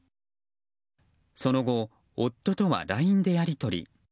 その後、夫とはＬＩＮＥでやり取り。